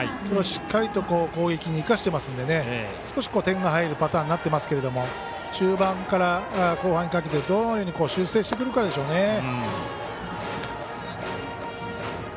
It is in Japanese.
それをしっかりと攻撃に生かしてますので、少し点が入るパターンになってますが中盤から後半にかけてどのように修正してくるかでしょうね。